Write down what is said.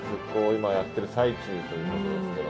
今やってる最中ということですけど。